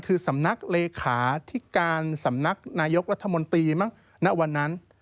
คือสำนักเลขาที่การสำนักนายกรัฐมนตรีมั้งณวันนั้น